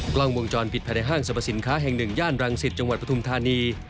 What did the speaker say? กล้องวงจรปิดภายในห้างสรรพสินค้าแห่งหนึ่งย่านรังสิตจังหวัดปฐุมธานี